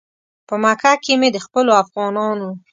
په مکه کې مې د خپلو افغانانو.